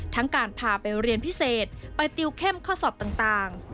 การพาไปเรียนพิเศษไปติวเข้มข้อสอบต่าง